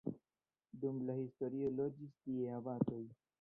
Dum la historio loĝis tie abatoj.